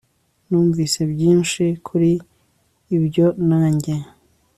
Numvise byinshi kuri ibyo nanjye